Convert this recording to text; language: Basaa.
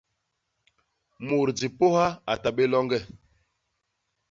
Mut dipôha a ta bé loñge.